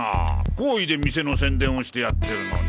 好意で店の宣伝をしてやってるのに。